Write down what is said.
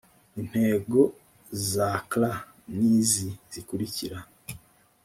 intego za cla n izi zikurikira